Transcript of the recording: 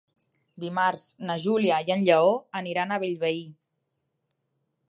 Dimarts na Júlia i en Lleó aniran a Bellvei.